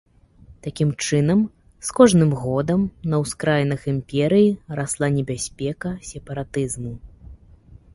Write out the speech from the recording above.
Такім чынам, з кожным годам на ўскраінах імперыі расла небяспека сепаратызму.